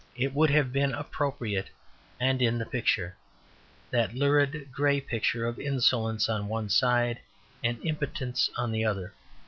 It would have been appropriate and in the picture; that lurid grey picture of insolence on one side and impotence on the other.